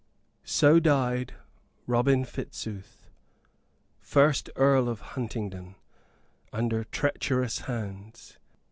So died Robin Fitzooth, first Earl of Huntingdon, under treacherous hands.